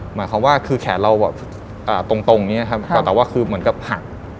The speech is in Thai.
หมายความว่าคือแขนเราแบบตรงอย่างนี้ครับแต่ว่าคือเหมือนกับหัก